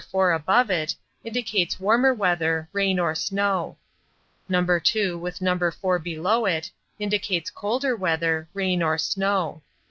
4 above it, indicates warmer weather, rain or snow. No. 2, with No. 4 below it, indicates colder weather, rain or snow.